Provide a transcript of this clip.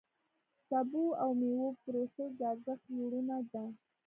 د سبو او مېوو پروسس د ارزښت لوړونه ده.